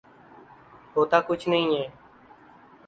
ہوتا کچھ نہیں ہے۔